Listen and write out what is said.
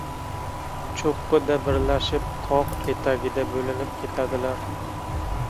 • Cho‘qqida birlashib, tog‘ etagida bo‘linib ketadilar.